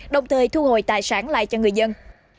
đồng thời thu hồi tài sản lại cho người dân